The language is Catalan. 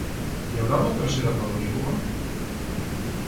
Hi haurà una tercera pel·lícula?